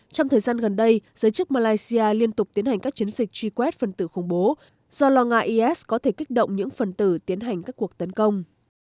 trong thời gian gần đây giới chức malaysia liên tục tiến hành các chiến dịch truy quét phần tử khủng bố do lo ngại is có thể kích động những phần tử tiến hành các cuộc tấn công